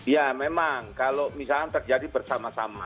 ya memang kalau misalnya terjadi bersama sama